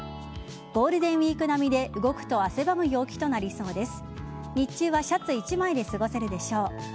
ゴールデンウイーク並みで動くと汗ばむ陽気となりそうです。